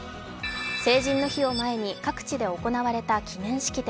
成人の日を前に、各地で行われた記念式典。